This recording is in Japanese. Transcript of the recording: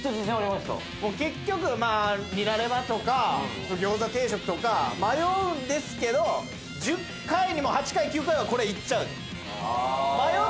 結局ニラレバとか餃子定食とか迷うんですけど１０回に８回９回はこれいっちゃう。